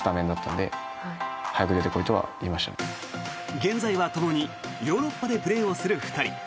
現在は、ともにヨーロッパでプレーをする２人。